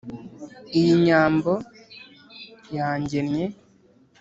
Iyi Nyambo yangennye